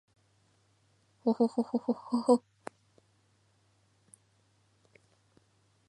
ほほほほほっ h